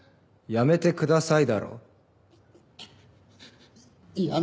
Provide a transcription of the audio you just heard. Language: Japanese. やめてください。